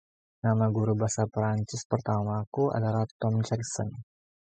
Nama guru bahasa Prancis pertamaku adalah Tom Jackson.